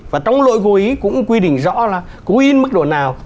và trong lỗi vô ý cũng quy định rõ là cố ý mức độ nào